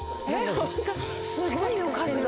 すごいよ数が。